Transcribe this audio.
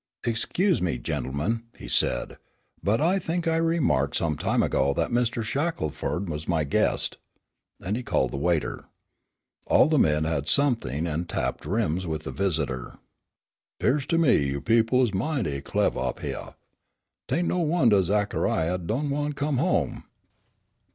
"Excuse me, gentlemen," he said, "but I think I remarked some time ago that Mr. Shackelford was my guest." And he called the waiter. All the men had something and tapped rims with the visitor. "'Pears to me you people is mighty clevah up hyeah; 'tain' no wondah Zachariah don' wan' to come home."